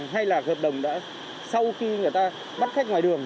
hay là hợp đồng đã sau khi người ta bắt khách ngoài đường